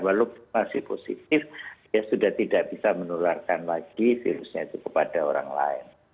walaupun masih positif dia sudah tidak bisa menularkan lagi virusnya itu kepada orang lain